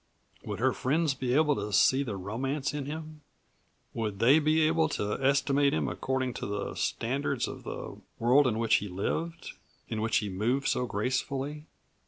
Would her friends be able to see the romance in him? Would they be able to estimate him according to the standards of the world in which he lived, in which he moved so gracefully?